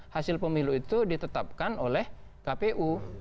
hasil pemilu itu ditetapkan oleh kpu